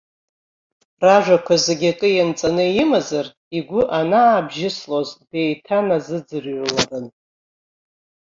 Ражәақәа зегьы акы ианҵаны имазар, игәы анаабжьыслоз деиҭанарзыӡрыҩларын.